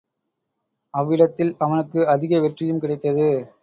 அவ்விடத்தில் அவனுக்கு அதிக வெற்றியும் கிடைத்தது.